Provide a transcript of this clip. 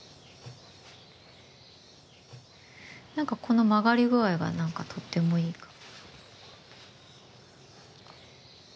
何かこの曲がり具合がとってもいいかも。